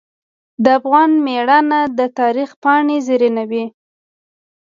د افغان میړانه د تاریخ پاڼې زرینوي.